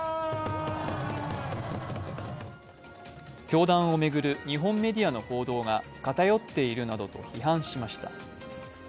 教団を巡る日本メディアの報道が偏っているなどと批判しました。